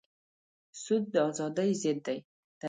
سود د ازادۍ ضد دی.